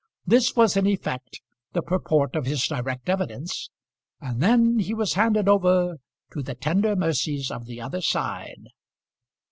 This was in effect the purport of his direct evidence, and then he was handed over to the tender mercies of the other side.